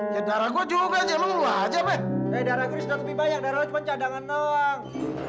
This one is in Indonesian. kenapa ya darah gue lebih banyak